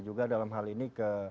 juga dalam hal ini